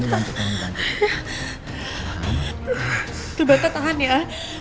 batu bata tahan ya